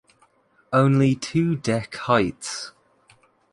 Only two deck heights.